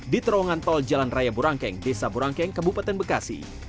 di terowongan tol jalan raya burangkeng desa burangkeng kabupaten bekasi